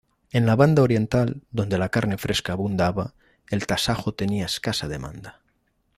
En la Banda Oriental, donde la carne fresca abundaba, el tasajo tenía escasa demanda.